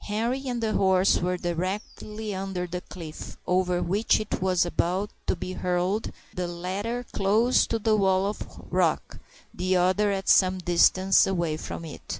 Henri and the horse were directly under the cliff over which it was about to be hurled, the latter close to the wall of rock, the other at some distance away from it.